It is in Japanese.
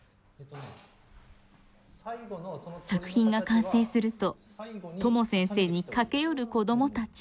作品が完成するととも先生に駆け寄る子どもたち。